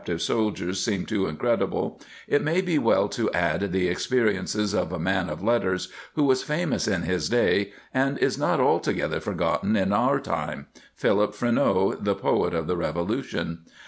19. [ 187 ] The Private Soldier Under Washington soldiers seem too incredible, it may be well to add the experiences of a man of letters who was famous in his day and is not altogether forgotten in our time — Philip Freneau, the poet of the Revolution.